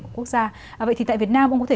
của quốc gia vậy thì tại việt nam ông có thể